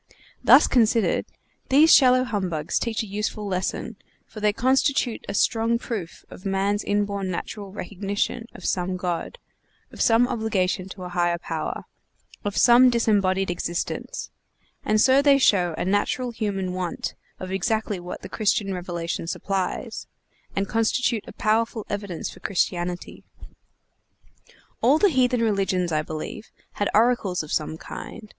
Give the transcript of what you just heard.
Thus considered, these shallow humbugs teach a useful lesson, for they constitute a strong proof of man's inborn natural recognition of some God, of some obligation to a higher power, of some disembodied existence; and so they show a natural human want of exactly what the Christian revelation supplies, and constitute a powerful evidence for Christianity. All the heathen religions, I believe, had oracles of some kind.